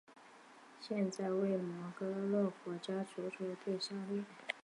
现在为摩洛哥国家足球队效力。